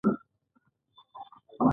دغه سړی په مالي فساد تورن و.